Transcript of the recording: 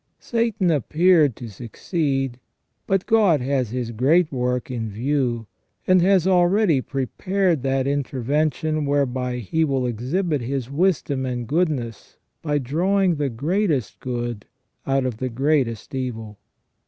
Satan appeared to succeed, but God has His great work in view, and has already prepared that intervention whereby He will exhibit His wisdom and goodness by drawing the greatest good out of the greatest evil.